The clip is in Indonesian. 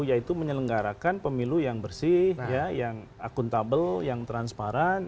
yaitu menyelenggarakan pemilu yang bersih yang akuntabel yang transparan